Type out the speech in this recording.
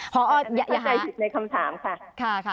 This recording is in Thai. เข้าใจผิดในคำถามค่ะ